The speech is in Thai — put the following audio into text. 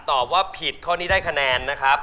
ตอบว่าผิดข้อนี้ได้คะแนนนะครับ